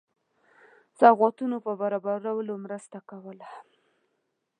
سوغاتونو په برابرولو مرسته کوله.